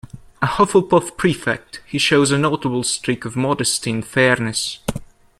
A Hufflepuff prefect, he shows a notable streak of modesty and fairness.